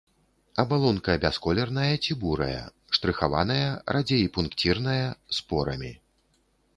Абалонка бясколерная ці бурая, штрыхаваная, радзей пункцірная, з порамі.